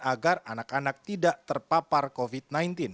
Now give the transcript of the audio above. agar anak anak tidak terpapar covid sembilan belas